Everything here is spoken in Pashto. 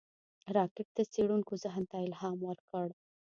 راکټ د څېړونکو ذهن ته الهام ورکړ